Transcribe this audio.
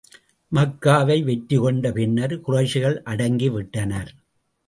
மக்காவை வெற்றி கொண்ட பின்னர், குறைஷிகள் அடங்கி விட்டனர்.